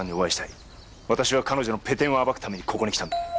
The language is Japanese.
私は彼女のペテンを暴くためにここに来た。